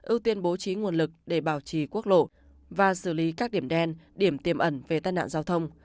ưu tiên bố trí nguồn lực để bảo trì quốc lộ và xử lý các điểm đen điểm tiềm ẩn về tai nạn giao thông